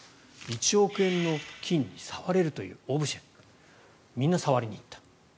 １億円の金に触れるというオブジェにみんな触りに行った。